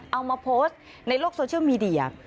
เอามาโพสต์ในโลกโซเชียลมีเดีย